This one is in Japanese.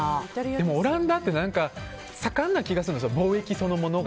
でも、オランダって盛んな気がするんですよ。